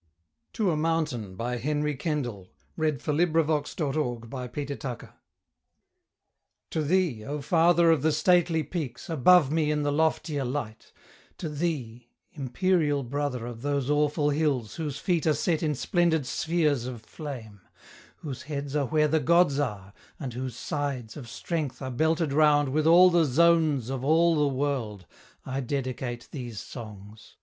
of Leaves from Australian Forests.] SONGS FROM THE MOUNTAINS To a Mountain To thee, O father of the stately peaks, Above me in the loftier light to thee, Imperial brother of those awful hills Whose feet are set in splendid spheres of flame, Whose heads are where the gods are, and whose sides Of strength are belted round with all the zones Of all the world, I dedicate these songs.